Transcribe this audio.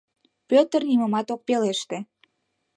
Пӧтыр нимомат ок пелеште.